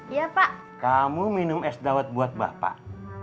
ya pak kamu minum es dawet buat bapak